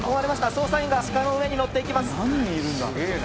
捜査員がシカの上にのっていきます。